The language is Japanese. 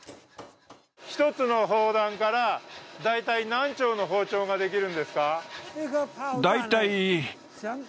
１つの砲弾から大体何丁の包丁ができるんですか？